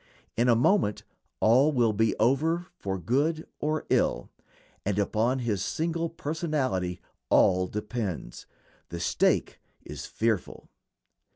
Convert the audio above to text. In a moment all will be over for good or ill, and upon his single personality all depends. The stake is fearful.